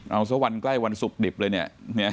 เอาซะวันใกล้วันศุกร์ดิบเลยเนี่ย